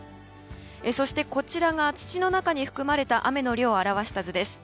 そして、こちらが土の中に含まれた雨の量を表した図です。